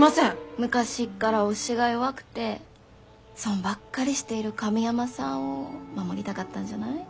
昔っから押しが弱くて損ばっかりしている神山さんを守りたかったんじゃない？